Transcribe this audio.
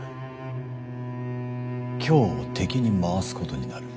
京を敵に回すことになる。